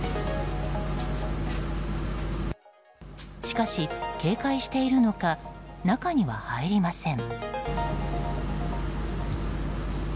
しかし、警戒しているのか中には入りません。